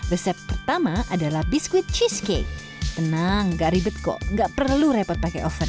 resep pertama adalah biskuit cheesecake tenang gak ribet kok nggak perlu repot pakai oven